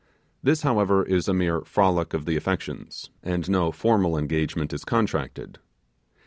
This, however, is a mere frolic of the affections, and no formal engagement is contracted.